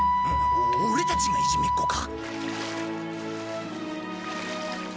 オレたちがいじめっ子か？